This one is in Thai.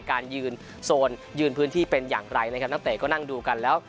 การยืนโซนยืนพื้นที่เป็นอย่างไรนะครับนักเตะก็นั่งดูกันแล้ว